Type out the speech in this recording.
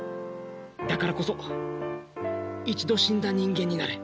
だからこそ一度死んだ人間になれ。